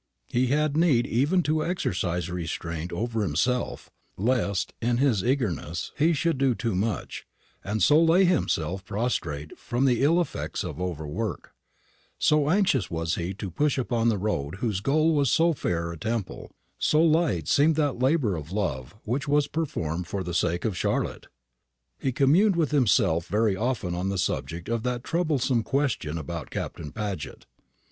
He had need even to exercise restraint over himself, lest, in his eagerness, he should do too much, and so lay himself prostrate from the ill effects of overwork; so anxious was he to push on upon the road whose goal was so fair a temple, so light seemed that labour of love which was performed for the sake of Charlotte. He communed with himself very often on the subject of that troublesome question about Captain Paget.